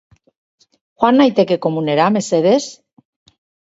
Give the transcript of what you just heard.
Joan naiteke komunera, mesedez?